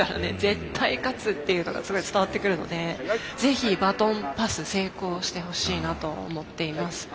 絶対勝つっていうのがすごい伝わってくるのでぜひバトンパス成功してほしいなと思っています。